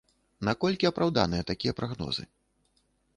Наколькі апраўданыя такія прагнозы?